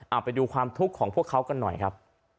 เอาไปดูความทุกข์ของพวกเขากันหน่อยครับ